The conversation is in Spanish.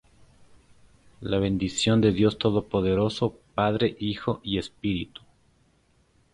La bendición de Dios todopoderoso, Padre, Hijo y Espíritu